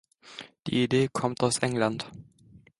Die Idee kommt aus England.